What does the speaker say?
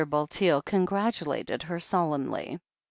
Bulteel congratulated her solemnly.